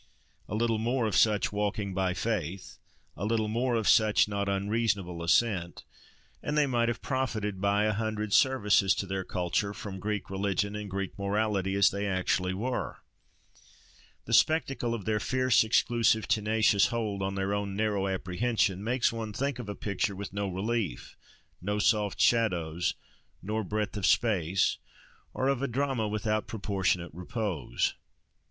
A little more of such "walking by faith," a little more of such not unreasonable "assent," and they might have profited by a hundred services to their culture, from Greek religion and Greek morality, as they actually were. The spectacle of their fierce, exclusive, tenacious hold on their own narrow apprehension, makes one think of a picture with no relief, no soft shadows nor breadth of space, or of a drama without proportionate repose.